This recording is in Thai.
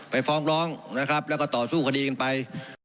ฟ้องร้องนะครับแล้วก็ต่อสู้คดีกันไป